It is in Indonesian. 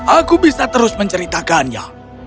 aku bisa terus menceritakannya